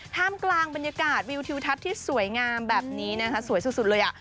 ท่ามกลางบรรยากาศวิวทิวทัศน์ที่สวยงามแบบนี้นะคะสวยสุดเลยอ่ะ